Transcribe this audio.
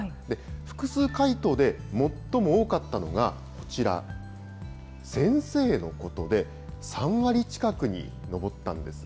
複数回答で最も多かったのがこちら、先生のことで、３割近くに上ったんです。